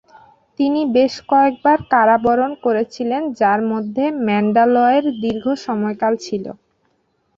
তিনি বেশ কয়েকবার কারাবরণ করেছিলেন যার মধ্যে ম্যান্ডালয়ের দীর্ঘ সময়কাল ছিল।